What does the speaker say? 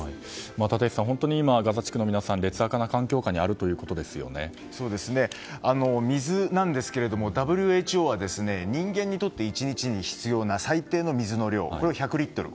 立石さん、ガザ地区の皆さん劣悪な環境下に水なんですけれども、ＷＨＯは人間にとって１日に必要な最低の水の量を１００リットルと。